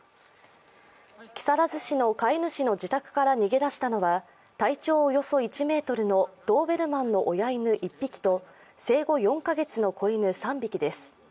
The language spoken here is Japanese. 木更津市の飼い主の自宅から逃げ出したのは、体長およそ１ｍのドーベルマンの親犬１匹と生後４カ月の子犬３匹です。